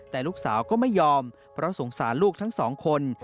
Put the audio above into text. แต่ลูกสาวก็ไม่ยอมเพราะสงสารลูกทั้งสองคน